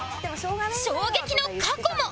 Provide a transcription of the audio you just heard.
衝撃の過去も